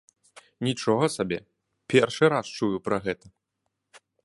Нічога сабе, першы раз чую пра гэта!